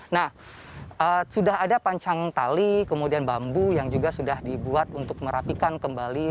nah sudah ada pancang tali kemudian bambu yang juga sudah dibuat untuk merapikan kembali